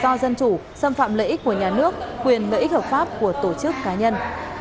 đồng quyền tự do dân chủ xâm phạm lợi ích của nhà nước quyền lợi ích hợp pháp của tổ chức cá nhân